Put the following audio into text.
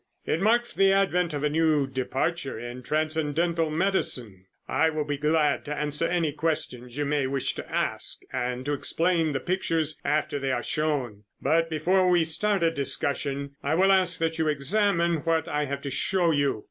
It marks the advent of a new departure in transcendental medicine. I will be glad to answer any questions you may wish to ask and to explain the pictures after they are shown, but before we start a discussion, I will ask that you examine what I have to show you.